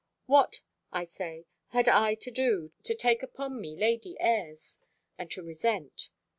What, I say, had I to do, to take upon me lady airs, and to resent?